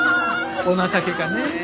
お情けかねえ。